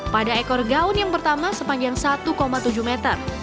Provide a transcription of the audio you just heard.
pada ekor gaun yang pertama sepanjang satu tujuh meter